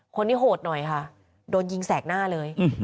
โหดหน่อยค่ะโดนยิงแสกหน้าเลย